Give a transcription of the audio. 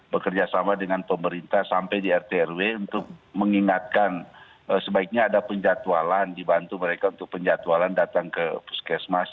bekerja sama dengan pemerintah sampai di rt rw untuk mengingatkan sebaiknya ada penjatualan dibantu mereka untuk penjatualan datang ke puskesmas